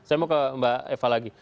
saya mau ke mbak eva lagi